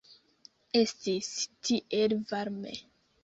Estis tiel varme.